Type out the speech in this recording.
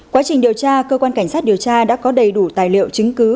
quá trình điều tra cơ quan cảnh sát điều tra đã có đầy đủ tài liệu chứng cứ